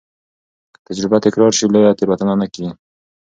که تجربه تکرار سي، لویه تېروتنه نه کېږي.